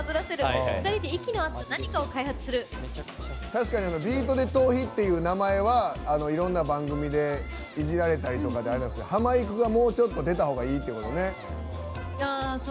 確かに「ビートＤＥトーヒ」って名前は、いろんな番組でいじられたりとかありますけどハマいくが、もうちょっと出たほうがいいってことね。